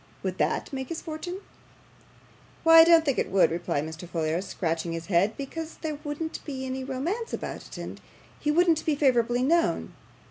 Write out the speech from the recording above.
Would that make his fortune?' 'Why, I don't think it would,' replied Mr. Folair, scratching his head, 'because there wouldn't be any romance about it, and he wouldn't be favourably known.